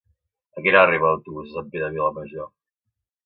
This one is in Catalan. A quina hora arriba l'autobús de Sant Pere de Vilamajor?